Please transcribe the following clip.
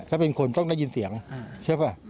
ถ้าเป็นคนต้องได้ยินเสียงใช่ป่ะ